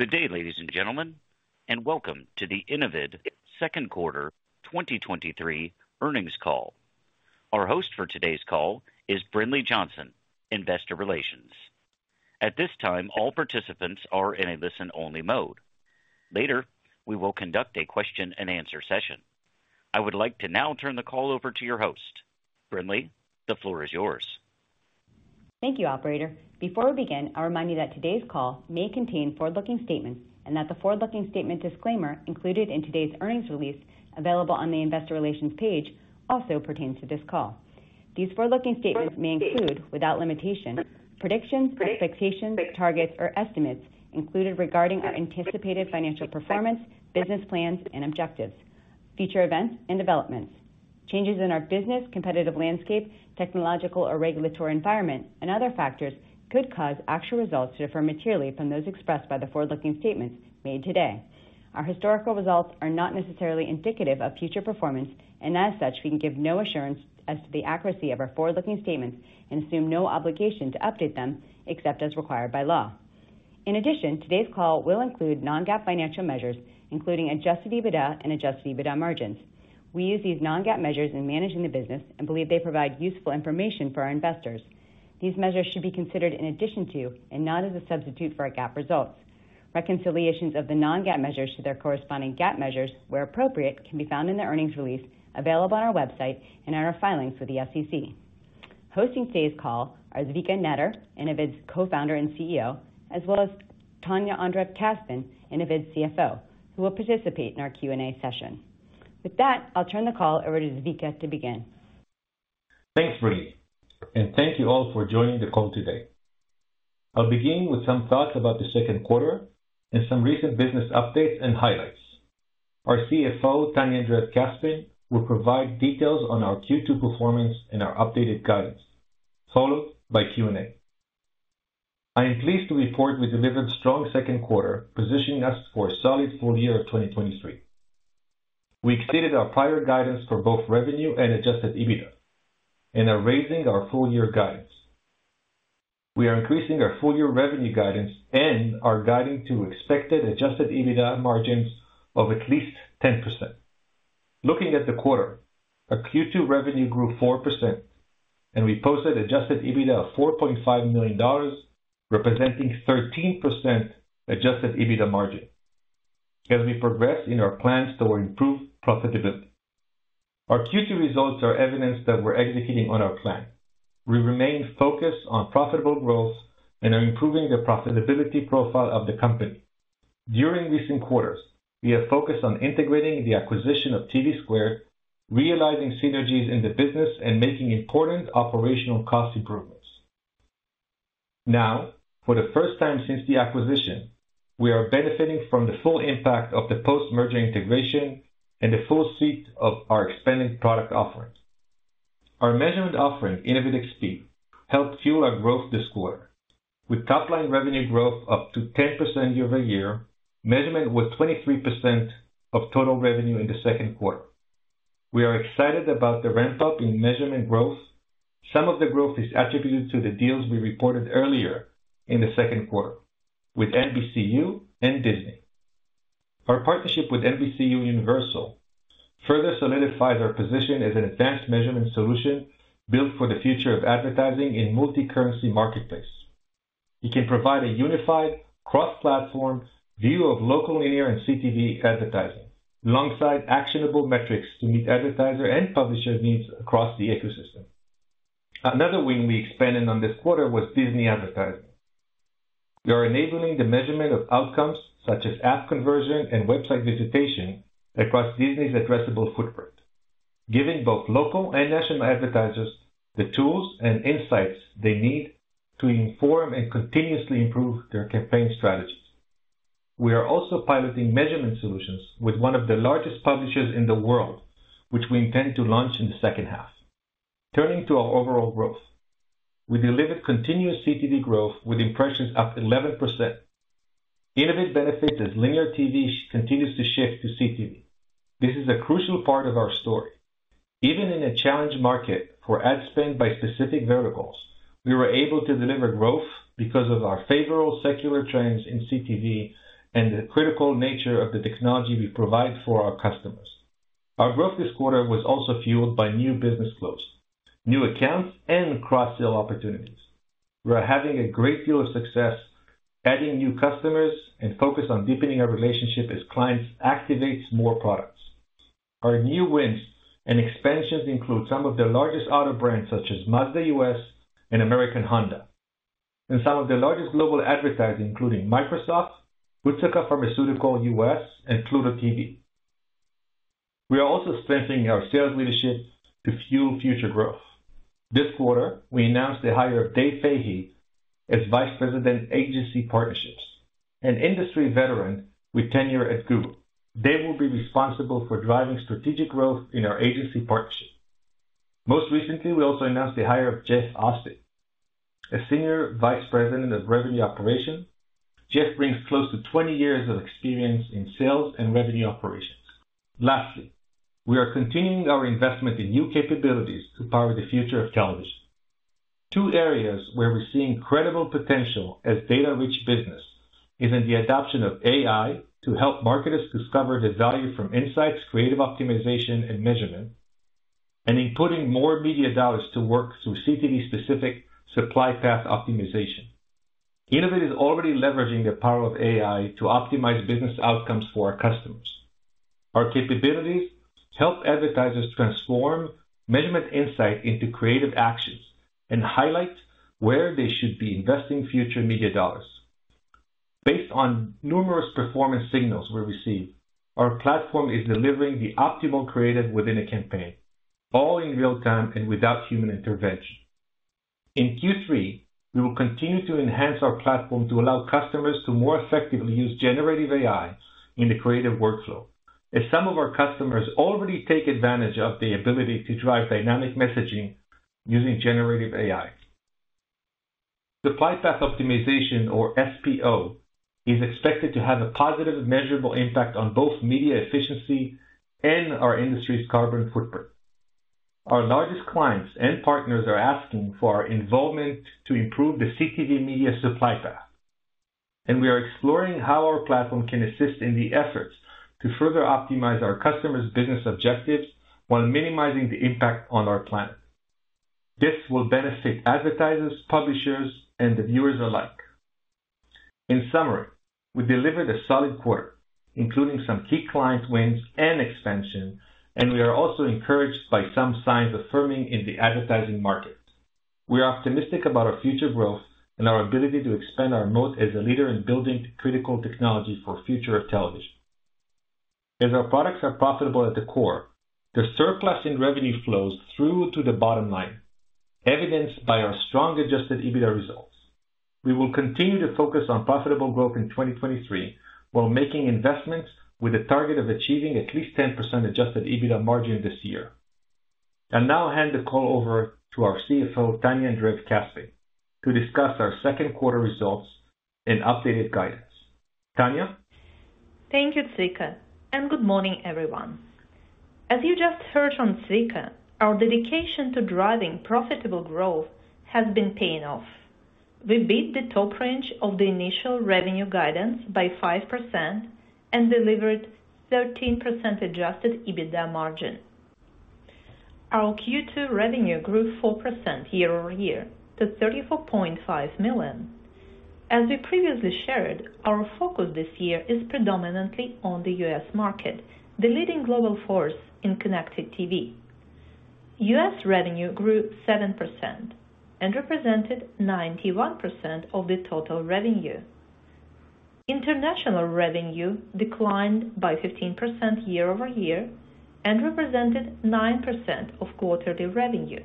Good day, ladies and gentlemen, welcome to the Innovid 2nd Quarter 2023 earnings call. Our host for today's call is Brinlea Johnson, Investor Relations. At this time, all participants are in a listen-only mode. Later, we will conduct a question-and-answer session. I would like to now turn the call over to your host. Brinlea, the floor is yours. Thank you, operator. Before we begin, I'll remind you that today's call may contain forward-looking statements and that the forward-looking statement disclaimer included in today's earnings release, available on the investor relations page, also pertains to this call. These forward-looking statements may include, without limitation, predictions, expectations, targets, or estimates included regarding our anticipated financial performance, business plans and objectives, future events and developments. Changes in our business, competitive landscape, technological or regulatory environment, and other factors could cause actual results to differ materially from those expressed by the forward-looking statements made today. Our historical results are not necessarily indicative of future performance, and as such, we can give no assurance as to the accuracy of our forward-looking statements and assume no obligation to update them, except as required by law. Today's call will include non-GAAP financial measures, including Adjusted EBITDA and Adjusted EBITDA margins. We use these non-GAAP measures in managing the business and believe they provide useful information for our investors. These measures should be considered in addition to, and not as a substitute for, our GAAP results. Reconciliations of the non-GAAP measures to their corresponding GAAP measures, where appropriate, can be found in the earnings release available on our website and in our filings with the SEC. Hosting today's call are Zvika Netter, Innovid's Co-founder and CEO, as well as Tanya Andreev-Kaspin, Innovid's CFO, who will participate in our Q&A session. With that, I'll turn the call over to Zvika to begin. Thanks, Brinlea. Thank you all for joining the call today. I'll begin with some thoughts about the 2nd quarter and some recent business updates and highlights. Our CFO, Tanya Andreev-Kaspin, will provide details on our Q2 performance and our updated guidance, followed by Q&A. I am pleased to report we delivered strong 2nd quarter, positioning us for a solid full year of 2023. We exceeded our prior guidance for both revenue and Adjusted EBITDA and are raising our full year guidance. We are increasing our full year revenue guidance and are guiding to expected Adjusted EBITDA margins of at least 10%. Looking at the quarter, our Q2 revenue grew 4%, and we posted Adjusted EBITDA of $4.5 million, representing 13% Adjusted EBITDA margin. As we progress in our plans toward improved profitability, our Q2 results are evidence that we're executing on our plan. We remain focused on profitable growth and are improving the profitability profile of the company. During recent quarters, we have focused on integrating the acquisition of TVSquared, realizing synergies in the business, and making important operational cost improvements. Now, for the first time since the acquisition, we are benefiting from the full impact of the post-merger integration and the full suite of our expanding product offerings. Our measurement offering, InnovidXP, helped fuel our growth this quarter. With top-line revenue growth up to 10% year-over-year, measurement was 23% of total revenue in the 2nd quarter. Some of the growth is attributed to the deals we reported earlier in the 2nd quarter with NBCU and Disney. Our partnership with NBCUniversal further solidifies our position as an advanced measurement solution built for the future of advertising in multi-currency marketplace. It can provide a unified cross-platform view of local, linear, and CTV advertising, alongside actionable metrics to meet advertiser and publisher needs across the ecosystem. Another win we expanded on this quarter was Disney Advertising. We are enabling the measurement of outcomes such as app conversion and website visitation across Disney's addressable footprint, giving both local and national advertisers the tools and insights they need to inform and continuously improve their campaign strategies. We are also piloting measurement solutions with one of the largest publishers in the world, which we intend to launch in the 2nd half. Turning to our overall growth, we delivered continuous CTV growth with impressions up 11%. Innovid benefits as linear TV continues to shift to CTV. This is a crucial part of our story. Even in a challenged market for ad spend by specific verticals, we were able to deliver growth because of our favorable secular trends in CTV and the critical nature of the technology we provide for our customers. Our growth this quarter was also fueled by new business close, new accounts, and cross-sell opportunities. We are having a great deal of success adding new customers and focused on deepening our relationship as clients activates more products. Our new wins and expansions include some of the largest auto brands, such as Mazda U.S.. and American Honda, and some of the largest global advertisers, including Microsoft, Otsuka Pharmaceutical U.S., and Pluto TV. We are also strengthening our sales leadership to fuel future growth. This quarter, we announced the hire of Dave Fahey as Vice President, Agency Partnerships, an industry veteran with tenure at Google. Dave will be responsible for driving strategic growth in our agency partnership. Most recently, we also announced the hire of Jeff Austin as Senior Vice President of Revenue Operations. Jeff brings close to 20 years of experience in sales and revenue operations. Lastly, we are continuing our investment in new capabilities to power the future of television. Two areas where we're seeing incredible potential as data-rich business is in the adoption of AI to help marketers discover the value from insights, creative optimization, and measurement, and in putting more media dollars to work through CTV-specific Supply Path Optimization. Innovid is already leveraging the power of AI to optimize business outcomes for our customers. Our capabilities help advertisers transform measurement insight into creative actions and highlight where they should be investing future media dollars. Based on numerous performance signals we receive, our platform is delivering the optimal creative within a campaign, all in real time and without human intervention. In Q3, we will continue to enhance our platform to allow customers to more effectively use generative AI in the creative workflow, as some of our customers already take advantage of the ability to drive dynamic messaging using generative AI. Supply Path Optimization, or SPO, is expected to have a positive, measurable impact on both media efficiency and our industry's carbon footprint. Our largest clients and partners are asking for our involvement to improve the CTV media supply path, and we are exploring how our platform can assist in the efforts to further optimize our customers' business objectives while minimizing the impact on our planet. This will benefit advertisers, publishers, and the viewers alike. In summary, we delivered a solid quarter, including some key client wins and expansion. We are also encouraged by some signs of firming in the advertising market. We are optimistic about our future growth and our ability to expand our moat as a leader in building critical technology for future of television. As our products are profitable at the core, the surplus in revenue flows through to the bottom line, evidenced by our strong Adjusted EBITDA results. We will continue to focus on profitable growth in 2023, while making investments with a target of achieving at least 10% Adjusted EBITDA margin this year. I'll now hand the call over to our CFO, Tanya Andreev-Kaspin, to discuss our 2nd quarter results and updated guidance. Tanya? Thank you, Zvika, good morning, everyone. As you just heard from Zvika, our dedication to driving profitable growth has been paying off. We beat the top range of the initial revenue guidance by 5% and delivered 13% Adjusted EBITDA margin. Our Q2 revenue grew 4% year-over-year to $34.5 million. As we previously shared, our focus this year is predominantly on the U.S. market, the leading global force in connected TV. U.S. revenue grew 7% and represented 91% of the total revenue. International revenue declined by 15% year-over-year and represented 9% of quarterly revenue,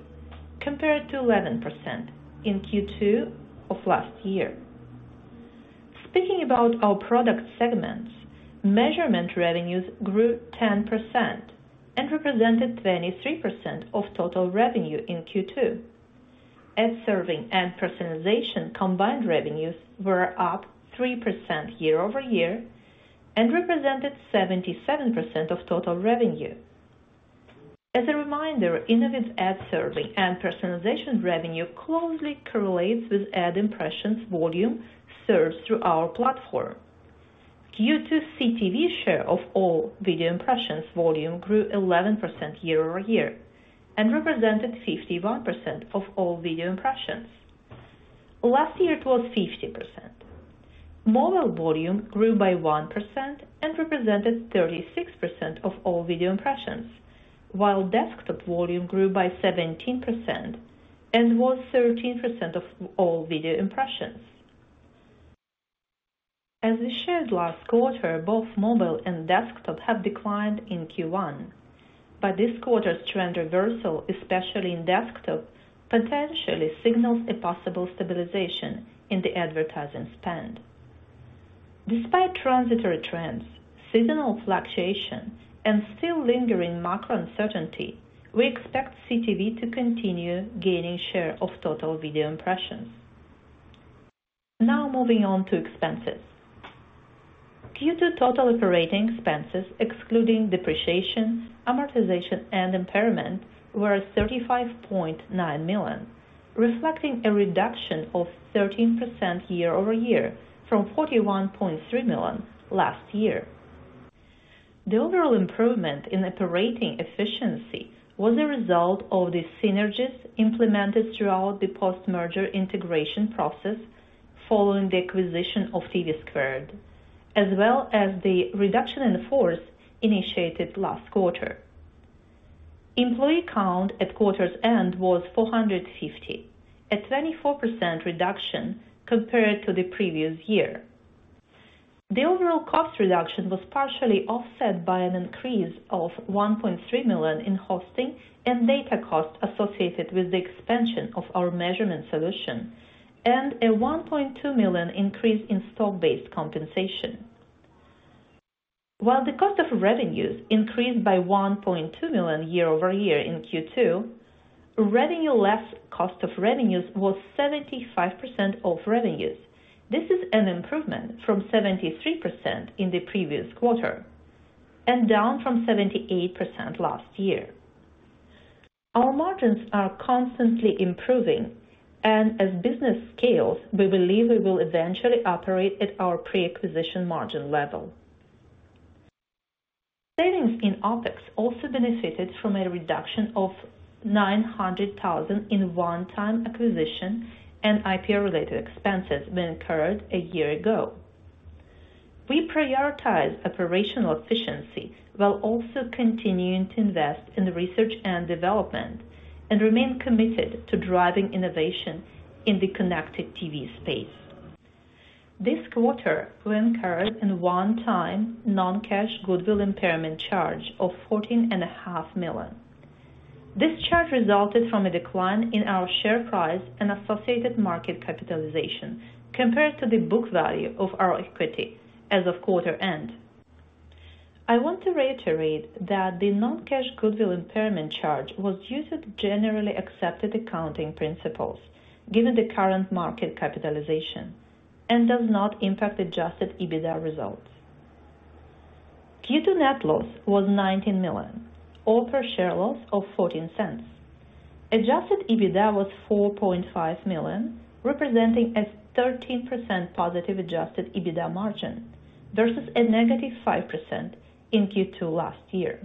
compared to 11% in Q2 of last year. Speaking about our product segments, measurement revenues grew 10% and represented 23% of total revenue in Q2. Ad serving and personalization combined revenues were up 3% year-over-year and represented 77% of total revenue. As a reminder, Innovid's ad serving and personalization revenue closely correlates with ad impressions volume served through our platform. Q2 CTV share of all video impressions volume grew 11% year-over-year and represented 51% of all video impressions. Last year, it was 50%. Mobile volume grew by 1% and represented 36% of all video impressions, while Desktop volume grew by 17% and was 13% of all video impressions. As we shared last quarter, both mobile and desktop have declined in Q1, but this quarter's trend reversal, especially in desktop, potentially signals a possible stabilization in the advertising spend. Despite transitory trends, seasonal fluctuations, and still lingering macro uncertainty, we expect CTV to continue gaining share of total video impressions. Now moving on to expenses. Q2 total operating expenses, excluding depreciation, amortization, and impairment, were $35.9 million, reflecting a reduction of 13% year-over-year from $41.3 million last year. The overall improvement in operating efficiency was a result of the synergies implemented throughout the post-merger integration process following the acquisition of TVSquared, as well as the reduction in the force initiated last quarter. Employee count at quarter's end was 450, a 24% reduction compared to the previous year. The overall cost reduction was partially offset by an increase of $1.3 million in hosting and data costs associated with the expansion of our measurement solution, and a $1.2 million increase in stock-based compensation. While the cost of revenues increased by $1.2 million year-over-year in Q2, revenue less cost of revenues was 75% of revenues. This is an improvement from 73% in the previous quarter and down from 78% last year. Our margins are constantly improving, and as business scales, we believe we will eventually operate at our pre-acquisition margin level. Savings in OpEx also benefited from a reduction of $900,000 in one-time acquisition and IPO-related expenses being incurred a year ago. We prioritize operational efficiency, while also continuing to invest in the research and development, and remain committed to driving innovation in the connected TV space. This quarter, we incurred a one-time non-cash goodwill impairment charge of $14.5 million. This charge resulted from a decline in our share price and associated market capitalization, compared to the book value of our equity as of quarter end. I want to reiterate that the non-cash goodwill impairment charge was used as generally accepted accounting principles, given the current market capitalization, and does not impact Adjusted EBITDA results. Q2 net loss was $19 million, or per share loss of $0.14. Adjusted EBITDA was $4.5 million, representing a 13% positive Adjusted EBITDA margin versus a negative 5% in Q2 last year.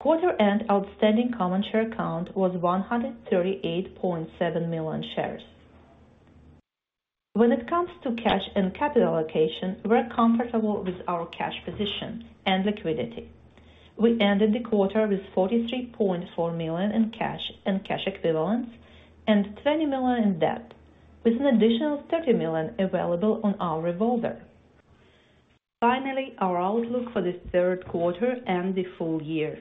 Quarter end outstanding common share count was 138.7 million shares. When it comes to cash and capital allocation, we're comfortable with our cash position and liquidity. We ended the quarter with $43.4 million in cash and cash equivalents and $20 million in debt, with an additional $30 million available on our revolver. Our outlook for the 3rd quarter and the full year.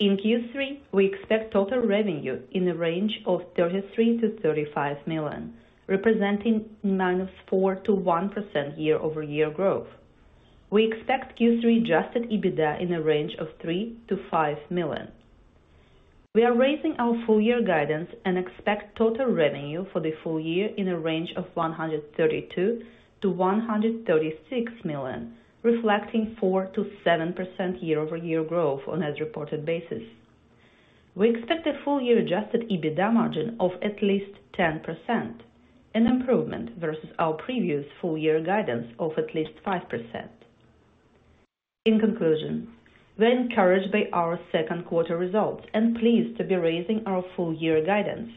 In Q3, we expect total revenue in the range of $33 million-$35 million, representing -4% to 1% year-over-year growth. We expect Q3 Adjusted EBITDA in a range of $3 million-$5 million. We are raising our full year guidance and expect total revenue for the full year in a range of $132 million-$136 million, reflecting 4% to 7% year-over-year growth on as reported basis. We expect a full year Adjusted EBITDA margin of at least 10%, an improvement versus our previous full year guidance of at least 5%. In conclusion, we're encouraged by our 2nd quarter results and pleased to be raising our full year guidance.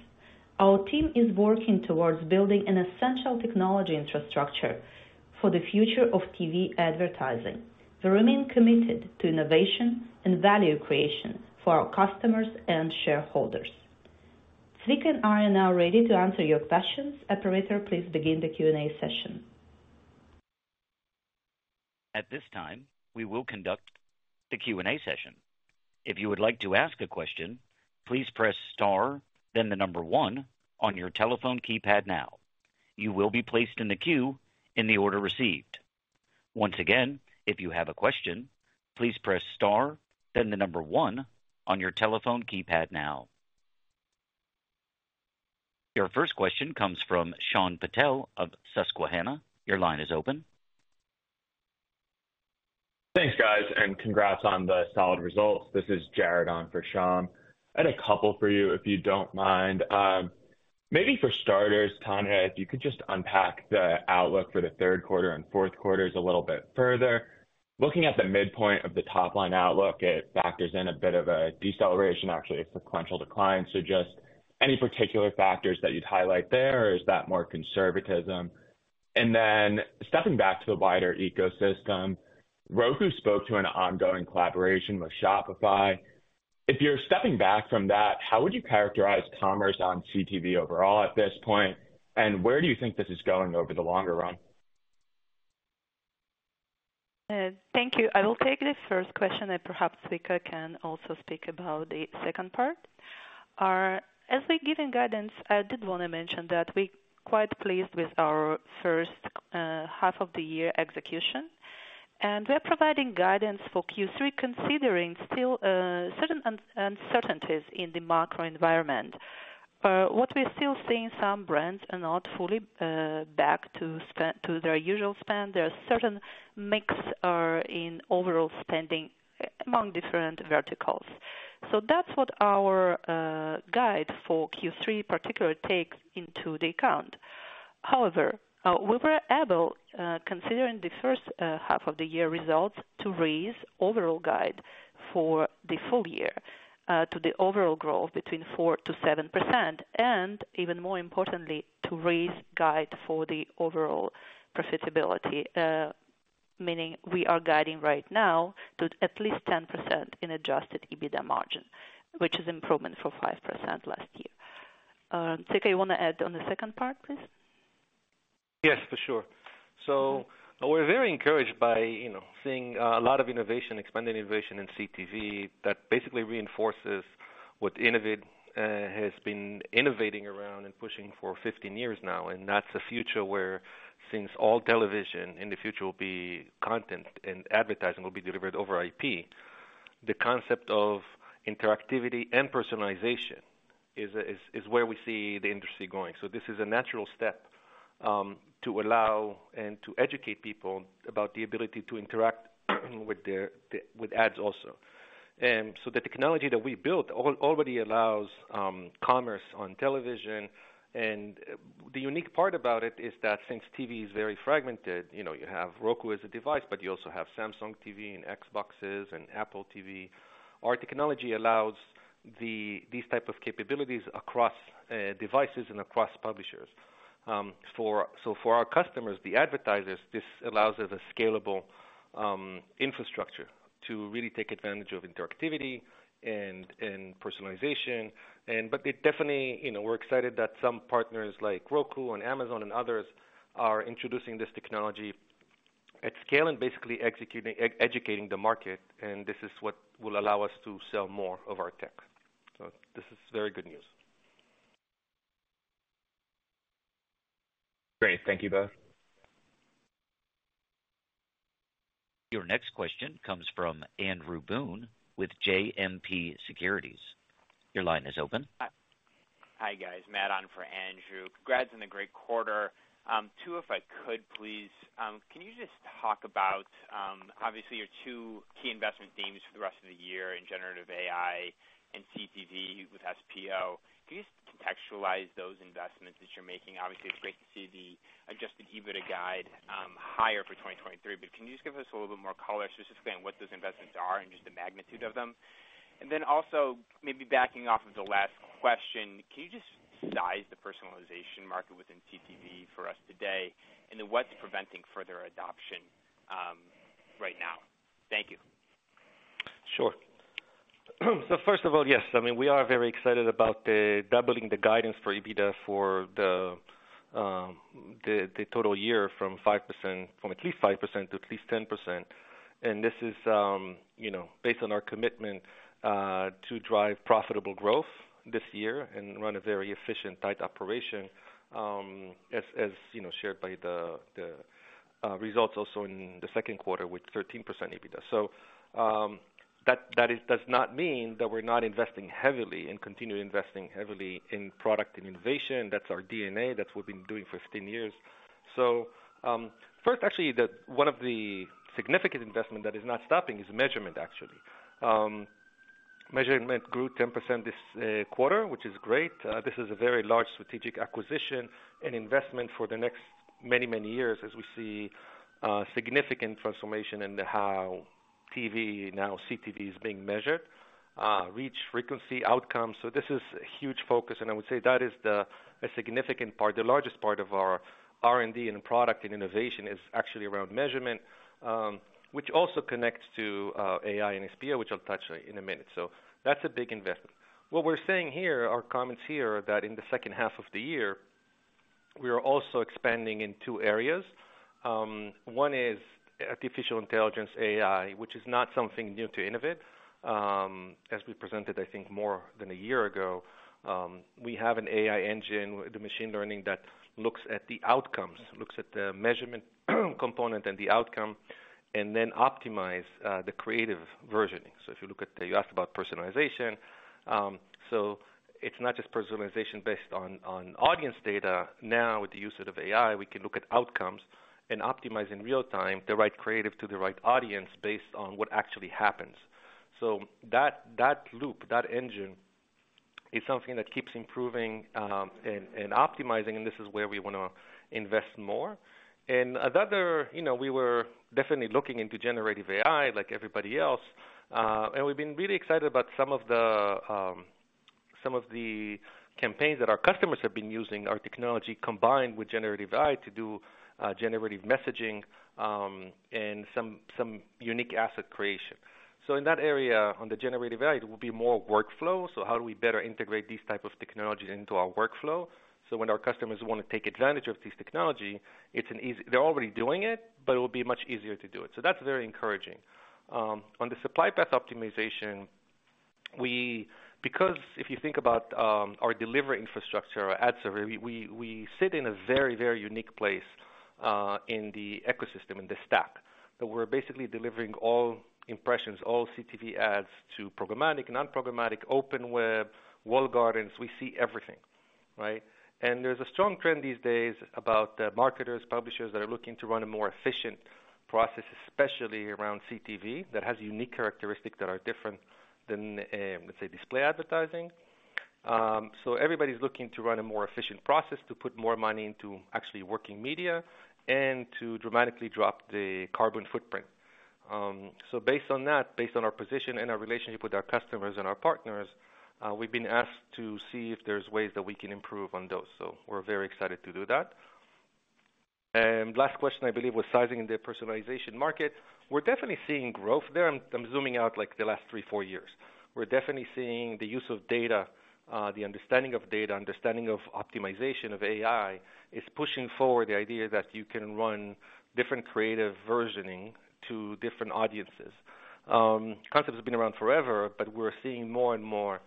Our team is working towards building an essential technology infrastructure for the future of TV advertising. We remain committed to innovation and value creation for our customers and shareholders. Zvika and I are now ready to answer your questions. Operator, please begin the Q&A session. At this time, we will conduct the Q&A session. If you would like to ask a question, please press star, then the one on your telephone keypad now. You will be placed in the queue in the order received. Once again, if you have a question, please press star, then the number one on your telephone keypad now. Your first question comes from Shyam Patil of Susquehanna. Your line is open. Thanks, guys, congrats on the solid results. This is Jared on for Shyam. I had a couple for you, if you don't mind. Maybe for starters, Tanya, if you could just unpack the outlook for the 3rd quarter and 4th quarters a little bit further. Looking at the midpoint of the top line outlook, it factors in a bit of a deceleration, actually a sequential decline. Just any particular factors that you'd highlight there, or is that more conservatism? Then stepping back to the wider ecosystem, Roku spoke to an ongoing collaboration with Shopify. If you're stepping back from that, how would you characterize commerce on CTV overall at this point, and where do you think this is going over the longer run? Thank you. I will take the first question, and perhaps Zvika can also speak about the second part. As we've given guidance, I did want to mention that we're quite pleased with our 1st half of the year execution, and we are providing guidance for Q3, considering still certain uncertainties in the macro environment. What we're still seeing, some brands are not fully back to their usual spend. There are certain mix in overall spending among different verticals. So that's what our guide for Q3 particularly takes into the account. However, we were able, considering the 1st half of the year results, to raise overall guide for the full year, to the overall growth between 4% to 7%, and even more importantly, to raise guide for the overall profitability. Meaning we are guiding right now to at least 10% in Adjusted EBITDA margin, which is improvement for 5% last year. Zvika, you want to add on the 2nd part, please? Yes, for sure. We're very encouraged by, you know, seeing a lot of innovation, expanded innovation in CTV that basically reinforces what Innovid has been innovating around and pushing for 15 years now. That's the future where since all television in the future will be content, and advertising will be delivered over IP. The concept of interactivity and personalization is, is, is where we see the industry going. This is a natural step to allow and to educate people about the ability to interact with ads also. The technology that we built already allows commerce on television. The unique part about it is that since TV is very fragmented, you know, you have Roku as a device, but you also have Samsung TV and Xbox and Apple TV. Our technology allows these type of capabilities across devices and across publishers. For-- so for our customers, the advertisers, this allows us a scalable infrastructure to really take advantage of interactivity and, and personalization. But it definitely, you know, we're excited that some partners like Roku and Amazon and others are introducing this technology at scale and basically executing, educating the market, and this is what will allow us to sell more of our tech. This is very good news. Great. Thank you, both. Your next question comes from Andrew Boone with JMP Securities. Your line is open. Hi, guys. Matt on for Andrew. Congrats on the great quarter. Two, if I could, please. Can you just talk about, obviously, your two key investment themes for the rest of the year in generative AI and CTV with SPO? Can you just contextualize those investments that you're making? Obviously, it's great to see the Adjusted EBITDA guide higher for 2023, can you just give us a little bit more color specifically on what those investments are and just the magnitude of them? Then also, maybe backing off of the last question, can you just size the personalization market within CTV for us today, and then what's preventing further adoption right now? Thank you. Sure. First of all, yes, I mean, we are very excited about the doubling the guidance for EBITDA for the, the, the total year from 5%... From at least 5% to at least 10%. This is, you know, based on our commitment to drive profitable growth this year and run a very efficient, tight operation, as, as, you know, shared by the, the, results also in the second quarter with 13% EBITDA. That, that is- does not mean that we're not investing heavily and continue investing heavily in product and innovation. That's our DNA. That's what we've been doing for 15 years. First, actually, the, one of the significant investment that is not stopping is measurement, actually. Measurement grew 10% this quarter, which is great. This is a very large strategic acquisition and investment for the next many, many years as we see significant transformation in how TV, now CTV, is being measured, reach, frequency, outcomes. This is a huge focus, and I would say that is the, a significant part. The largest part of our R&D and product and innovation is actually around measurement, which also connects to AI and SPO, which I'll touch on in a minute. That's a big investment. What we're saying here, our comments here, are that in the 2nd half of the year, we are also expanding in two areas. One is artificial intelligence, AI, which is not something new to Innovid. As we presented, I think more than a year ago, we have an AI engine, the machine learning, that looks at the outcomes, looks at the measurement component and the outcome, and then optimize the creative versioning. If you look at the. You asked about personalization. It's not just personalization based on audience data. Now, with the use of AI, we can look at outcomes and optimize in real time, the right creative to the right audience, based on what actually happens. That loop, that engine, is something that keeps improving, and optimizing, and this is where we wanna invest more. Another, you know, we were definitely looking into generative AI, like everybody else, and we've been really excited about some of the campaigns that our customers have been using, our technology, combined with generative AI, to do generative messaging, and some, some unique asset creation. In that area, on the generative AI, it will be more workflow. How do we better integrate these type of technologies into our workflow? When our customers want to take advantage of this technology, it's an easy... They're already doing it, but it will be much easier to do it. That's very encouraging. On the Supply Path Optimization, because if you think about our delivery infrastructure, our ad server, we, we sit in a very, very unique place in the ecosystem, in the stack. We're basically delivering all impressions, all CTV ads, to programmatic, non-programmatic, open web, walled gardens. We see everything, right? There's a strong trend these days about marketers, publishers that are looking to run a more efficient process, especially around CTV, that has unique characteristics that are different than, let's say, display advertising. Everybody's looking to run a more efficient process, to put more money into actually working media and to dramatically drop the carbon footprint. Based on that, based on our position and our relationship with our customers and our partners, we've been asked to see if there's ways that we can improve on those. We're very excited to do that. Last question, I believe, was sizing in the personalization market. We're definitely seeing growth there. I'm, I'm zooming out, like, the last three, four years. We're definitely seeing the use of data, the understanding of data, understanding of optimization of AI, is pushing forward the idea that you can run different creative versioning to different audiences. Concepts have been around forever, but we're seeing more and more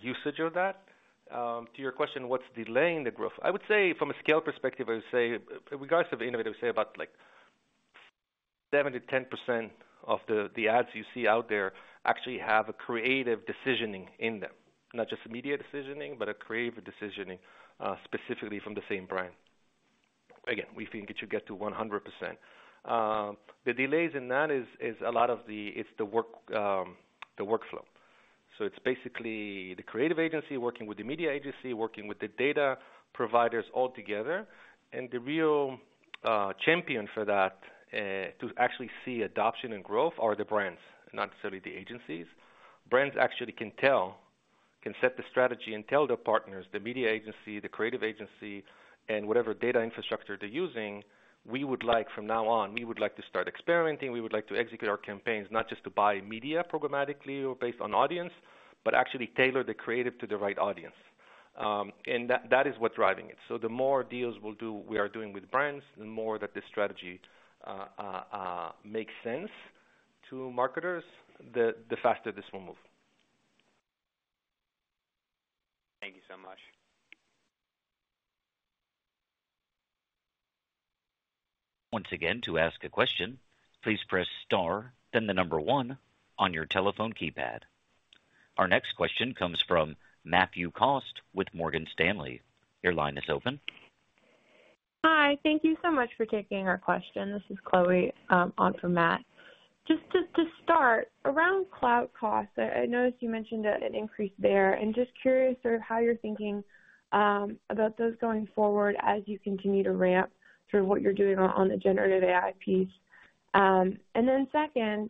usage of that. To your question, what's delaying the growth? I would say from a scale perspective, I would say, regardless of Innovid, I would say about like 70% to 10% of the, the ads you see out there actually have a creative decisioning in them, not just immediate decisioning, but a creative decisioning specifically from the same brand. Again, we think it should get to 100%. The delays in that is a lot of the work, the workflow. It's basically the creative agency working with the media agency, working with the data providers all together, and the real champion for that to actually see adoption and growth are the brands, not necessarily the agencies. Brands actually can tell-- can set the strategy and tell their partners, the media agency, the creative agency, and whatever data infrastructure they're using, "We would like, from now on, we would like to start experimenting. We would like to execute our campaigns, not just to buy media programmatically or based on audience, but actually tailor the creative to the right audience." And that, that is what's driving it. The more deals we'll do-- we are doing with brands, the more that this strategy makes sense to marketers, the faster this will move. Thank you so much. Once again, to ask a question, please press star, then the number one on your telephone keypad. Our next question comes from Matthew Cost with Morgan Stanley. Your line is open. Hi, thank you so much for taking our question. This is Chloe, on for Matt. Just to, to start, around cloud costs, I, I noticed you mentioned an increase there, and just curious sort of how you're thinking about those going forward as you continue to ramp through what you're doing on, on the generative AI piece. Then 2nd,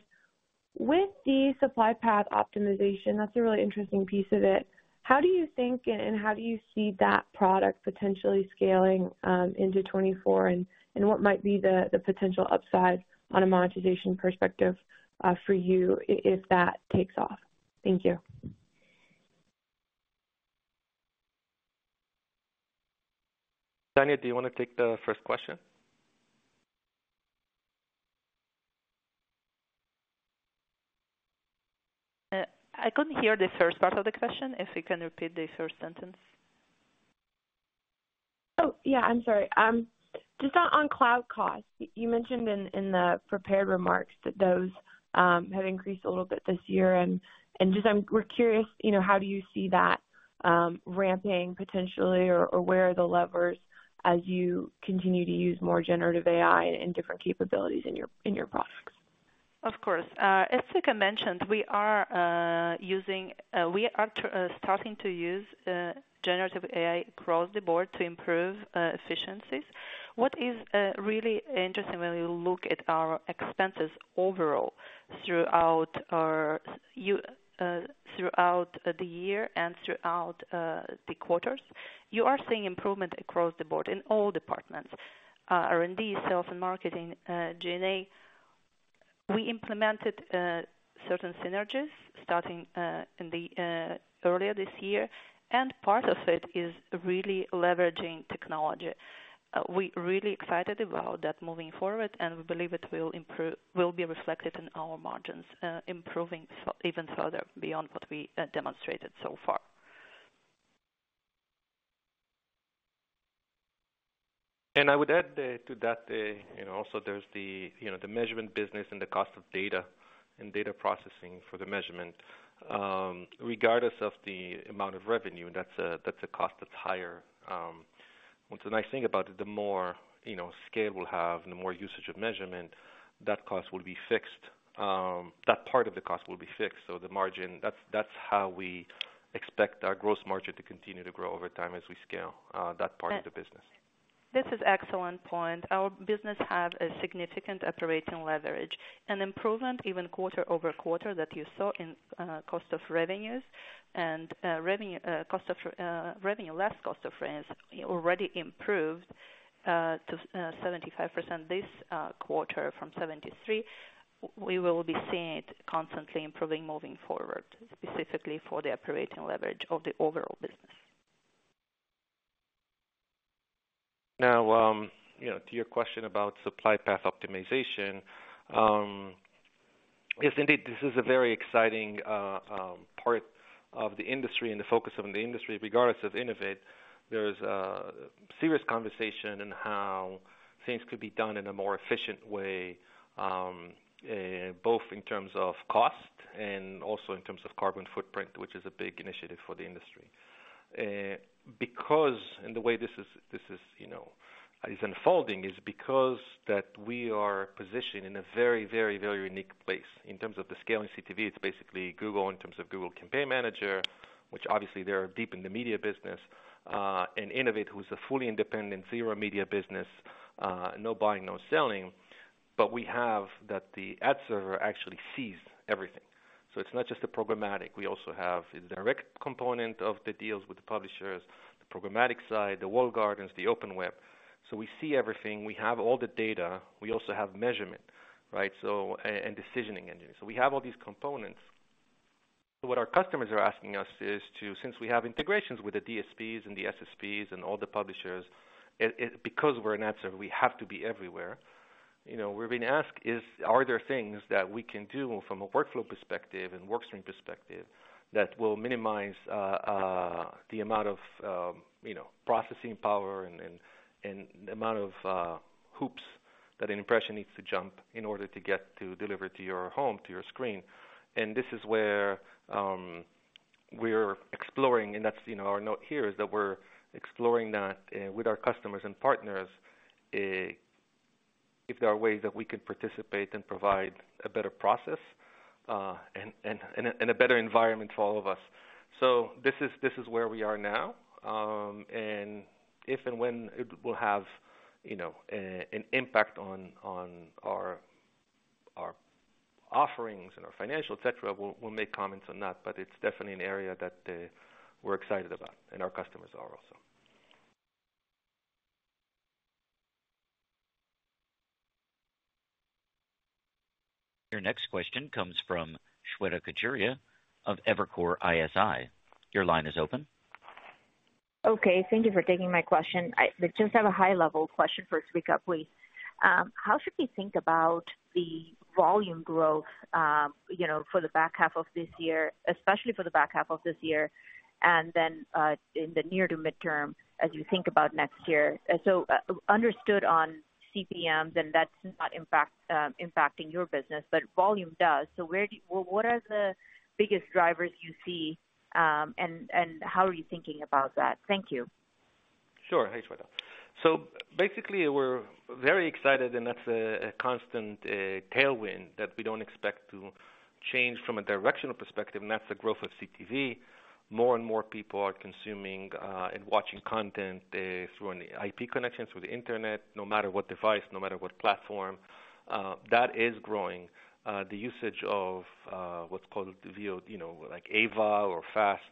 with the Supply Path Optimization, that's a really interesting piece of it. How do you think and, and how do you see that product potentially scaling into 2024, and, and what might be the, the potential upside on a monetization perspective for you i-if that takes off? Thank you. Tanya, do you want to take the first question? I couldn't hear the first part of the question. If you can repeat the first sentence. Oh, yeah, I'm sorry. Just on, on cloud costs, you mentioned in, in the prepared remarks that those have increased a little bit this year, and just, we're curious, you know, how do you see that ramping potentially or, or where are the levers as you continue to use more generative AI and different capabilities in your, in your products? Of course. As Zvika mentioned, we are using, we are starting to use generative AI across the board to improve efficiencies. What is really interesting when you look at our expenses overall, throughout our throughout the year and throughout the quarters, you are seeing improvement across the board in all departments, R&D, sales and marketing, G&A. We implemented certain synergies starting in the earlier this year, and part of it is really leveraging technology. We really excited about that moving forward, and we believe it will be reflected in our margins improving even further beyond what we demonstrated so far. I would add to that, you know, also there's the, you know, the measurement business and the cost of data and data processing for the measurement. Regardless of the amount of revenue, that's a, that's a cost that's higher. What's the nice thing about it, the more, you know, scale we'll have and the more usage of measurement, that cost will be fixed, that part of the cost will be fixed. The margin, that's, that's how we expect our gross margin to continue to grow over time as we scale that part of the business. This is excellent point. Our business have a significant operating leverage and improvement even quarter-over-quarter, that you saw in cost of revenues and revenue, cost of revenue, less cost of revenues already improved to 75% this quarter from 73%. We will be seeing it constantly improving moving forward, specifically for the operating leverage of the overall business. You know, to your question about Supply Path Optimization, yes, indeed, this is a very exciting part of the industry and the focus of the industry, regardless of Innovid. There's a serious conversation in how things could be done in a more efficient way, both in terms of cost and also in terms of carbon footprint, which is a big initiative for the industry. Because... and the way this is, this is, you know, is unfolding, is because that we are positioned in a very, very, very unique place. In terms of the scale in CTV, it's basically Google in terms of Campaign Manager 360, which obviously they are deep in the media business, and Innovid, who is a fully independent zero media business, no buying, no selling, but we have that the ad server actually sees everything. It's not just the programmatic. We also have a direct component of the deals with the publishers, the programmatic side, the walled gardens, the open web. We see everything. We have all the data. We also have measurement, right? And decisioning engine. We have all these components. What our customers are asking us is to, since we have integrations with the DSPs and the SSPs and all the publishers, it, it, because we're an ad server, we have to be everywhere. You know, we're being asked, are there things that we can do from a workflow perspective and workstream perspective that will minimize the amount of, you know, processing power and the amount of hoops that an impression needs to jump in order to get to deliver to your home, to your screen? This is where we're exploring, and that's, you know, our note here, is that we're exploring that with our customers and partners, if there are ways that we can participate and provide a better process, and, and, and a better environment for all of us. This is, this is where we are now. If and when it will have, you know, an impact on, on our, our offerings and our financial, et cetera, we'll, we'll make comments on that, but it's definitely an area that we're excited about, and our customers are also. Your next question comes from Shweta Khajuria of Evercore ISI. Your line is open. Okay, thank you for taking my question. I just have a high-level question 1st week up, please. How should we think about the volume growth, you know, for the back half of this year, especially for the back half of this year, and then, in the near to midterm, as you think about next year? Understood on CPMs, and that's not impacting your business, but volume does. What are the biggest drivers you see, and, and how are you thinking about that? Thank you. Sure. Hey, Shweta. Basically, we're very excited, and that's a constant tailwind that we don't expect to change from a directional perspective, and that's the growth of CTV. More and more people are consuming and watching content through an IP connection, through the internet, no matter what device, no matter what platform, that is growing. The usage of what's called VOD, you know, like AVOD or FAST,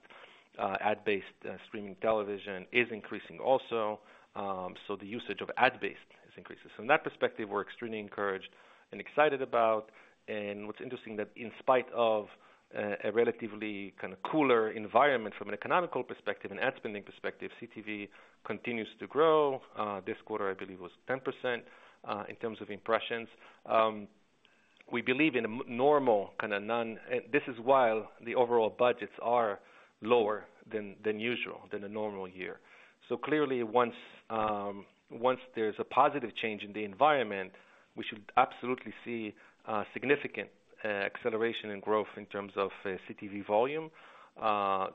ad-based streaming television is increasing also. The usage of ad-based is increasing. From that perspective, we're extremely encouraged and excited about. What's interesting, that in spite of a relatively kind of cooler environment from an economical perspective and ad spending perspective, CTV continues to grow. This quarter, I believe, was 10% in terms of impressions. We believe in a normal kind of none... This is while the overall budgets are lower than usual, than a normal year. Clearly once there's a positive change in the environment, we should absolutely see a significant acceleration in growth in terms of CTV volume,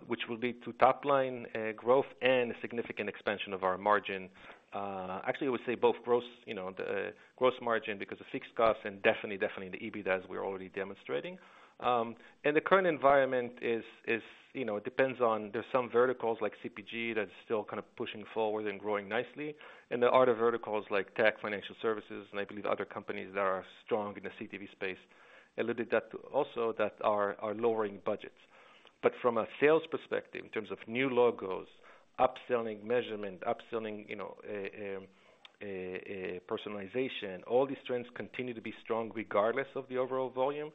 which will lead to top line growth and a significant expansion of our margin. Actually, I would say both gross, you know, the gross margin because of fixed costs and definitely, definitely the EBIT as we're already demonstrating. The current environment is, is, you know, depends on. There's some verticals like CPG, that's still kind of pushing forward and growing nicely. There are other verticals like tech, financial services, and I believe other companies that are strong in the CTV space, a little bit that also that are, are lowering budgets. From a sales perspective, in terms of new logos, upselling measurement, upselling, you know, personalization, all these trends continue to be strong regardless of the overall volume.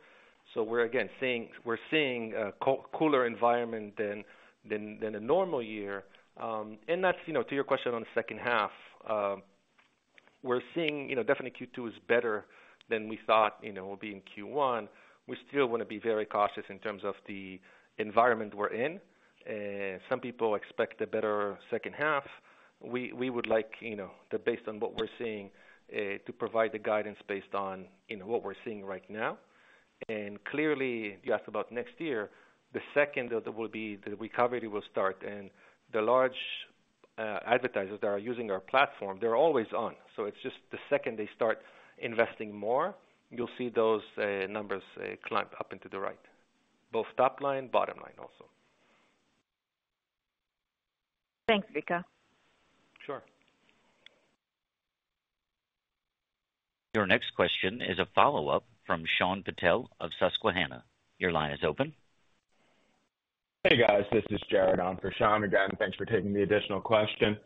We're again, seeing, we're seeing a co- cooler environment than, than, than a normal year. And that's, you know, to your question on the 2nd half. We're seeing, you know, definitely Q2 is better than we thought, you know, being Q1. We still want to be very cautious in terms of the environment we're in. Some people expect a better 2nd half. We, we would like, you know, that based on what we're seeing, to provide the guidance based on, in what we're seeing right now. Clearly, you asked about next year, the second there will be, the recovery will start and the large advertisers that are using our platform, they're always on. It's just the second they start investing more, you'll see those numbers climb up into the right, both top line, bottom line also. Thanks, Zvika. Sure. Your next question is a follow-up from Shyam Patil of Susquehanna. Your line is open. Hey, guys, this is Jared on for Shyam again. Thanks for taking the additional question.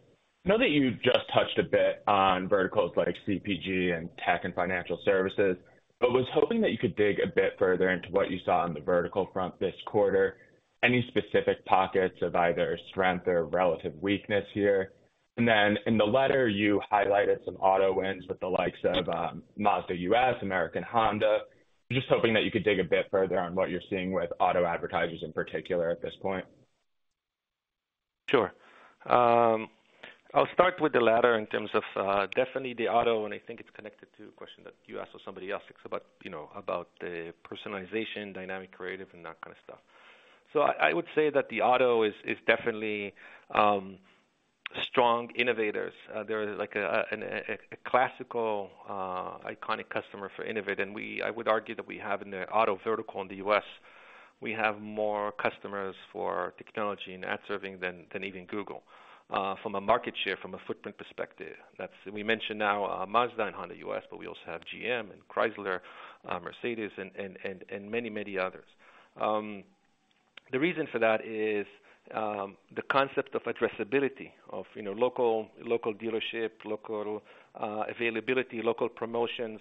I know that you just touched a bit on verticals like CPG and tech, and financial services, but was hoping that you could dig a bit further into what you saw on the vertical front this quarter. Any specific pockets of either strength or relative weakness here? Then in the letter, you highlighted some auto wins with the likes of Mazda U.S., American Honda. Just hoping that you could dig a bit further on what you're seeing with auto advertisers in particular at this point. Sure. I'll start with the latter in terms of definitely the auto, and I think it's connected to a question that you asked or somebody else asked about, you know, about the personalization, dynamic creative, and that kind of stuff. I, I would say that the auto is, is definitely strong innovators. There is like a classical iconic customer for Innovid, and we... I would argue that we have in the auto vertical in the U.S., we have more customers for technology and ad serving than, than even Google from a market share, from a footprint perspective. That's, we mentioned now Mazda and Honda U.S., we also have GM and Chrysler, Mercedes and many, many others. The reason for that is, the concept of addressability, of, you know, local, local dealership, local availability, local promotions.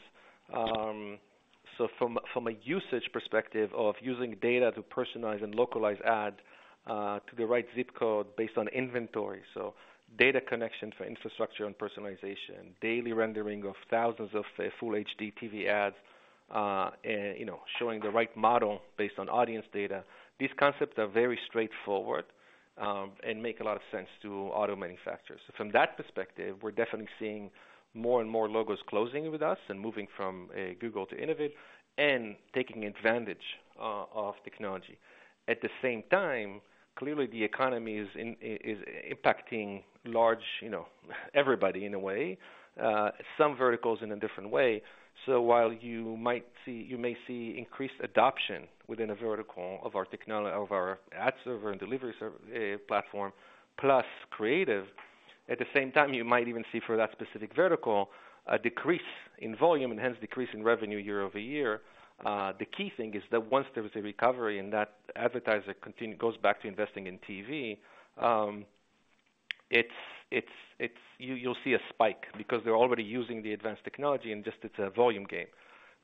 From, from a usage perspective of using data to personalize and localize ads, to the right zip code based on inventory, so data connection for infrastructure and personalization, daily rendering of thousands of, full HDTV ads, you know, showing the right model based on audience data. These concepts are very straightforward, and make a lot of sense to auto manufacturers. From that perspective, we're definitely seeing more and more logos closing with us and moving from, Google to Innovid and taking advantage, of technology. At the same time, clearly, the economy is, is impacting large, you know, everybody in a way, some verticals in a different way. While you might see-- you may see increased adoption within a vertical of our technol- of our ad server and delivery serv, platform, plus creative, at the same time, you might even see for that specific vertical, a decrease in volume and hence decrease in revenue year-over-year. The key thing is that once there is a recovery and that advertiser continue, goes back to investing in TV, you, you'll see a spike because they're already using the advanced technology, and just it's a volume game,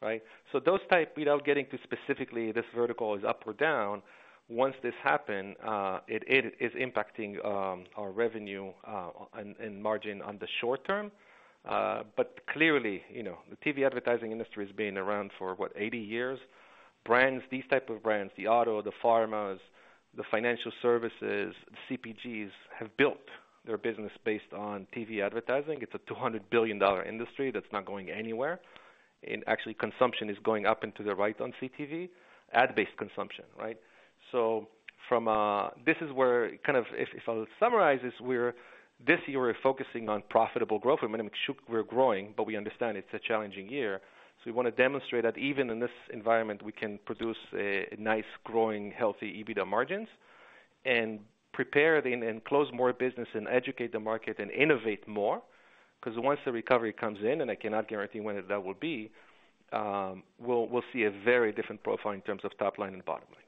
right? Those type, without getting to specifically, this vertical is up or down, once this happen, it, it is impacting, our revenue, and, and margin on the short term. Clearly, you know, the TV advertising industry has been around for, what? 80 years. Brands, these type of brands, the auto, the pharmas, the financial services, CPGs, have built their business based on TV advertising. It's a $200 billion industry that's not going anywhere. Actually, consumption is going up into the right on CTV, ad-based consumption, right? From this is where, kind of, if, if I'll summarize this, this year, we're focusing on profitable growth. I mean, we're growing, But we understand it's a challenging year. We want to demonstrate that even in this environment, we can produce a nice, growing, healthy EBITDA margins and prepare and close more business and educate the market and innovate more. Once the recovery comes in, and I cannot guarantee when that will be, we'll see a very different profile in terms of top line and bottom line.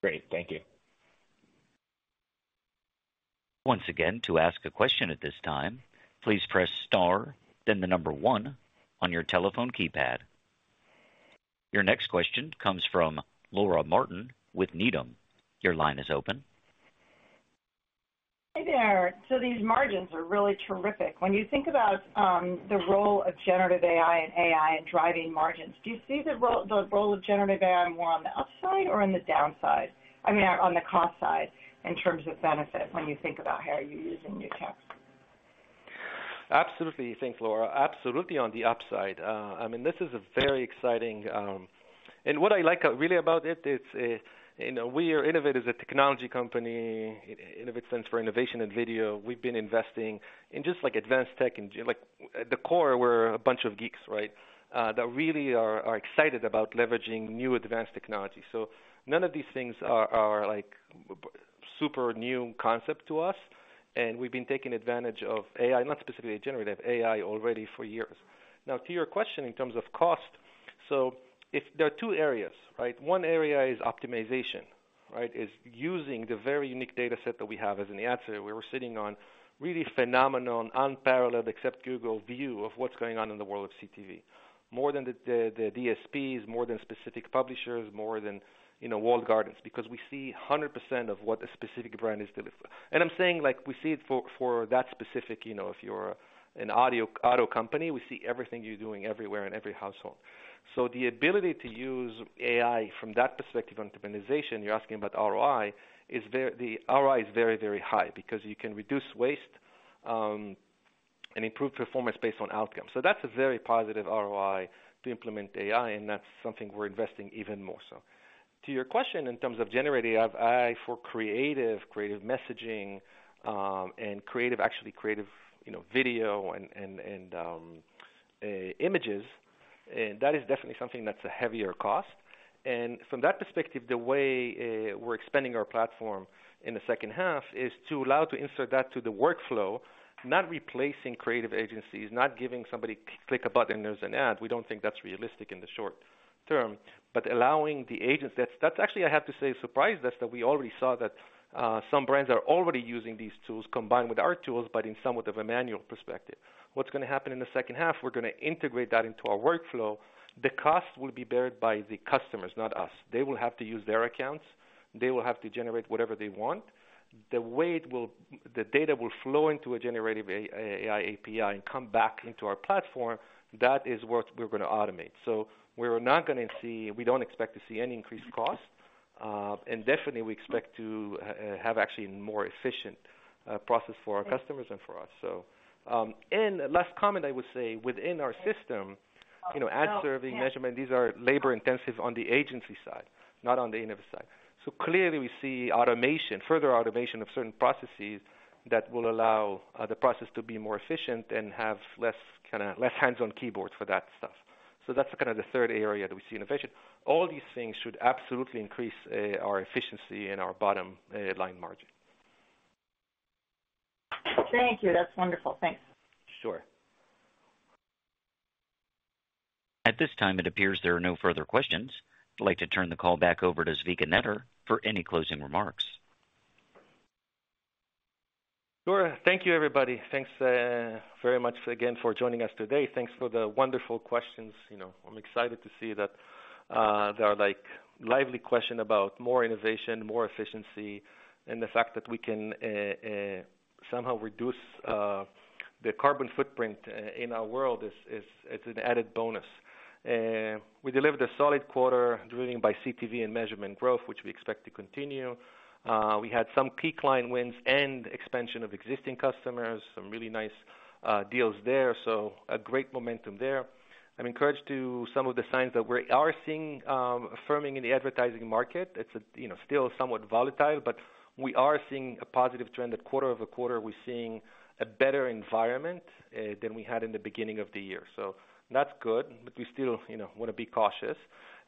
Great. Thank you. Once again, to ask a question at this time, please press star, then one on your telephone keypad. Your next question comes from Laura Martin, with Needham. Your line is open. Hi, there. These margins are really terrific. When you think about the role of generative AI and AI in driving margins, do you see the role of generative AI more on the upside or on the downside? I mean, on the cost side, in terms of benefit, when you think about how you're using new tech? Absolutely. Thanks, Laura. Absolutely, on the upside. I mean, this is a very exciting... What I like really about it, it's, you know, we are, Innovid is a technology company. Innovid stands for innovation and video. We've been investing in just, like, advanced tech, and, like, at the core, we're a bunch of geeks, right? That really are, are excited about leveraging new advanced technology. None of these things are, are, like, super new concept to us, and we've been taking advantage of AI, not specifically generative AI, already for years. To your question in terms of cost, if there are two areas, right? One area is optimization, right? Is using the very unique data set that we have as an answer, where we're sitting on really phenomenal, unparalleled, except Google, view of what's going on in the world of CTV. More than the, the, the DSPs, more than specific publishers, more than, you know, walled gardens, because we see 100% of what a specific brand is delivering. I'm saying, like, we see it for, for that specific, you know, if you're an audio, auto company, we see everything you're doing everywhere, in every household. The ability to use AI from that perspective on optimization, you're asking about ROI, is very. The ROI is very, very high because you can reduce waste and improve performance based on outcomes. That's a very positive ROI to implement AI, and that's something we're investing even more so. To your question in terms of generative AI for creative, creative messaging, and creative, actually creative, you know, video and, and, and images, that is definitely something that's a heavier cost. From that perspective, the way we're expanding our platform in the second half is to allow to insert that to the workflow, not replacing creative agencies, not giving somebody, click a button, there's an ad. We don't think that's realistic in the short term. Allowing the agents... That's, that's actually, I have to say, surprised us, that we already saw that some brands are already using these tools combined with our tools, but in somewhat of a manual perspective. What's gonna happen in the 2nd half? We're gonna integrate that into our workflow. The cost will be bear by the customers, not us. They will have to use their accounts. They will have to generate whatever they want. The way the data will flow into a generative AI API and come back into our platform. That is what we're gonna automate. We're not gonna see... We don't expect to see any increased cost, and definitely, we expect to have actually more efficient process for our customers and for us. And last comment, I would say within our system, you know, ad serving, measurement, these are labor intensive on the agency side, not on the Innovid side. Clearly, we see automation, further automation of certain processes that will allow the process to be more efficient and have less, kind of, less hands-on keyboard for that stuff. That's kind of the third area that we see innovation. All these things should absolutely increase our efficiency and our bottom line margin. Thank you. That's wonderful. Thanks. Sure. At this time, it appears there are no further questions. I'd like to turn the call back over to Zvika Netter for any closing remarks. Sure. Thank you, everybody. Thanks very much again for joining us today. Thanks for the wonderful questions. You know, I'm excited to see that there are, like, lively question about more innovation, more efficiency, and the fact that we can somehow reduce the carbon footprint in our world is, is, is an added bonus. We delivered a solid quarter, driven by CTV and measurement growth, which we expect to continue. We had some key client wins and expansion of existing customers, some really nice deals there. So a great momentum there. I'm encouraged to some of the signs that we are seeing affirming in the advertising market. It's, you know, still somewhat volatile, but we are seeing a positive trend. At quarter-over-quarter, we're seeing a better environment than we had in the beginning of the year. That's good, but we still, you know, want to be cautious,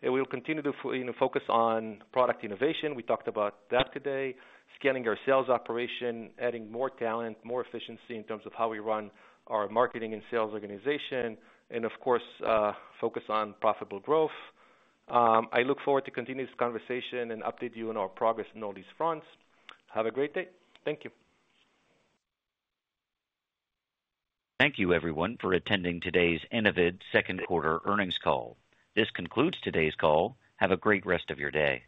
and we'll continue to, you know, focus on product innovation. We talked about that today, scaling our sales operation, adding more talent, more efficiency in terms of how we run our marketing and sales organization, and of course, focus on profitable growth. I look forward to continue this conversation and update you on our progress on all these fronts. Have a great day. Thank you. Thank you, everyone, for attending today's Innovid 2nd quarter earnings call. This concludes today's call. Have a great rest of your day.